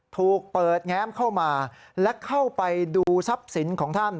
ถูกเปิดแง้มเข้ามาและเข้าไปดูทรัพย์สินของท่าน